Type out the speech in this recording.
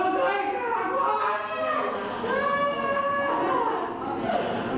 ว่า